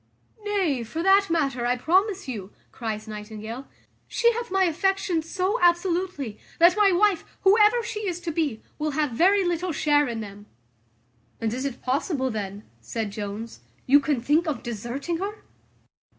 "Nay, for that matter, I promise you," cries Nightingale, "she hath my affections so absolutely, that my wife, whoever she is to be, will have very little share in them." "And is it possible then," said Jones, "you can think of deserting her?"